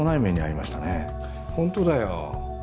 本当だよ。